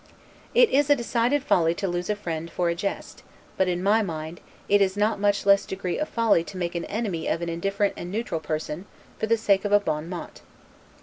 It is a decided folly to lose a friend for a jest; but, in my mind, it is not a much less degree of folly to make an enemy of an indifferent and neutral person, for the sake of a 'bon mot'.